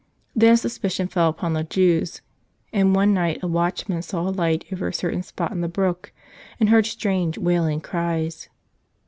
Then suspicion fell upon the Jews. And one night a watch¬ man saw a light over a certain spot in the brook and heard strange wailing cries.